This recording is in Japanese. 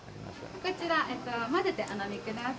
こちら、混ぜてお飲みください。